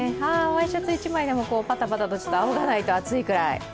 ワイシャツ一枚でもパタパタとあおがないと暑いくらい。